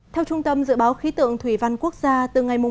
theo trung tâm dự báo khí tượng thủy văn quốc gia từ ngày một mươi